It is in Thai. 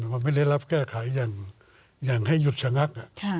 มันไม่ได้รับแก้ไขอย่างให้หยุดชะงัก